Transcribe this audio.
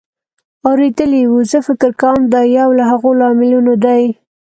اورېدلې وې. زه فکر کوم دا یو له هغو لاملونو دی